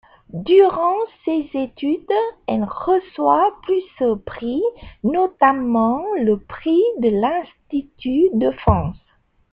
Durant ses études, elle reçoit plusieurs prix, notamment le prix de l'Institut de France.